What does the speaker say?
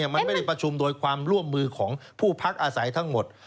มันไม่ได้ประชุมโดยความร่วมมือของผู้พักอาศัยทั้งหมด